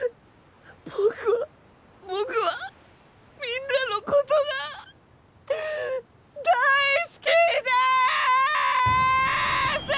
僕は僕はみんなのことが大好きです！！